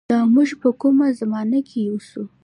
دا مونږ په کومه زمانه کښې اوسو